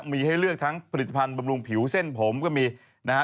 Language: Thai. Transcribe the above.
มีให้เลือกทั้งผลิตภัณฑ์บำรุงผิวเส้นผมก็มีนะฮะ